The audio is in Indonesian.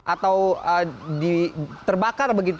atau terbakar begitu